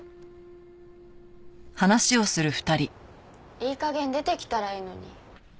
いい加減出てきたらいいのに。